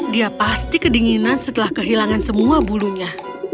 dia pasti kedinginan setelah kehilangan semua bulunya